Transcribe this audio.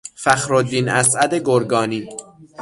فخرالدین اسعد گرگانی